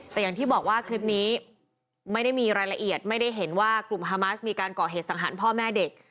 แต่อย่างที่บอกว่าคลิปนี้ไม่ได้มีรายละเอียดไม่ได้เห็นว่ากลุ่มฮามาสมีการก่อเหตุสังหารพ่อแม่เด็ก